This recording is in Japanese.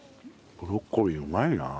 ブロッコリーうまいな。